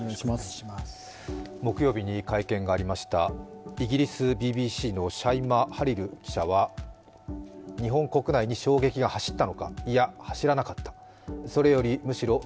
木曜日に会見がありましたイギリス・ＢＢＣのシャイマ・ハリル記者はという記事を書きました。